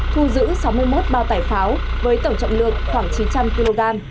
thu giữ sáu mươi một bao tải pháo với tổng trọng lượng khoảng chín trăm linh kg